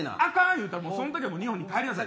言うたらそのときは日本に帰りなさい。